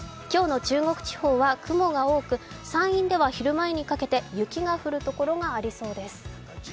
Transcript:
今日の中国地方は雲が多く、山陰では昼前にかけて雪が降る所がありそうです。